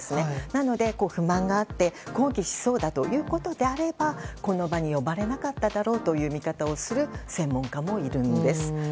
なので、不満があって抗議しそうならこの場に呼ばれなかっただろうという見方をする専門家もいるんです。